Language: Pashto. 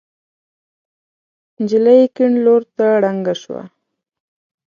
نجلۍ کيڼ لور ته ړنګه شوه.